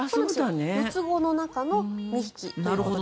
四つ子の中の２匹ということで。